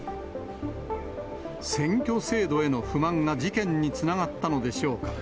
選挙制度への不満が事件につながったのでしょうか。